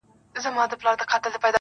نو نن.